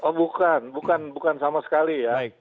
oh bukan bukan sama sekali ya